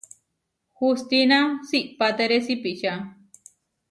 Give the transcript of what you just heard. Hustína siʼpátere sipičá.